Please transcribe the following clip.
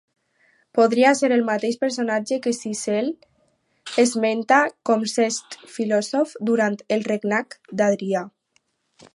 Podria ser el mateix personatge que Sincel·le esmenta com Sext Filòsof durant el regnat d'Adrià.